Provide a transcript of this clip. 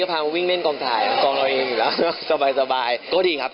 เพื่อทิมงานอะไรให้เขาครับ